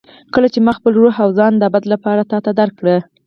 کله چې ما خپل روح او ځان د ابد لپاره تا ته درکړل.